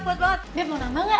babe mau nama gak